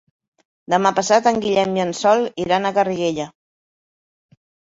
Demà passat en Guillem i en Sol iran a Garriguella.